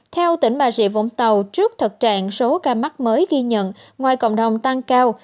theo tỉnh bà địa phúng tàu trước thật trạng số ca mắc mới ghi nhận ngoài cộng đồng tăng cao